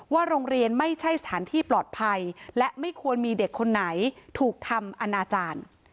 โรงเรียนไม่ใช่สถานที่ปลอดภัยและไม่ควรมีเด็กคนไหนถูกทำอนาจารย์